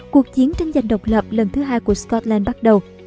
cuộc chiến tranh giành độc lập lần thứ hai của pháp